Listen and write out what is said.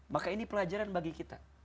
maka ini pelajaran bagi kita